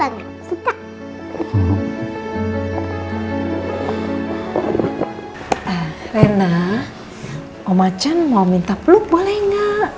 rena om achan mau minta peluk boleh nggak